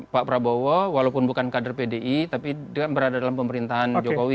pak prabowo walaupun bukan kader pdi tapi berada dalam pemerintahan jokowi